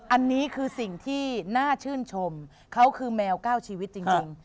อันนี้คือสิ่งที่น่าชื่นชมเขาคือแมวก้าวชีวิตจริง